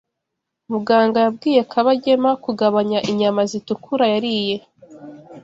Muganga yabwiye Kabagema kugabanya inyama zitukura yariye.